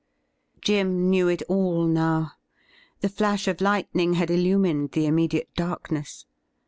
Jim knew it all now. The flash of lightning had illu mined the immediate darkness.